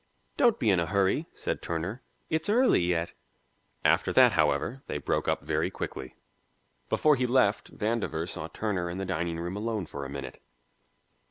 "Don't be in a hurry," said Turner. "It's early yet." After that, however, they broke up very quickly. Before he left Vandover saw Turner in the dining room alone for a minute.